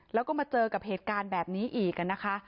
แล้วก็มาเจอกับเหตุการณ์แบบนี้อีกนะคะ